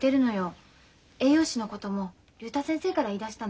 栄養士のことも竜太先生から言いだしたの。